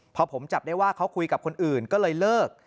พอผมจับได้ว่าเขาคุยกับคนอื่นก็เลยเลิก